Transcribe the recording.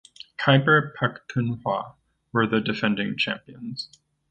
Khyber Pakhtunkhwa were the defending champions.